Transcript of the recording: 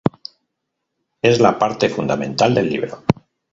Es la parte fundamental del libro.